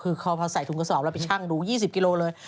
คือพอใส่ถุงกระสอบแล้วไปชั่งดู๒๐กิโลเลย